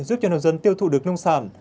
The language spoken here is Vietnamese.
giúp cho nông dân tiêu thụ được nông sản